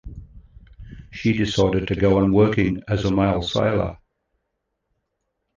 She decided to go on working as a male sailor.